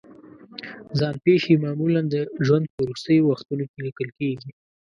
ځان پېښې معمولا د ژوند په وروستیو وختونو کې لیکل کېږي.